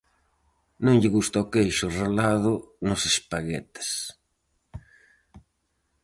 Non lle gusta o queixo relado nos espaguetes.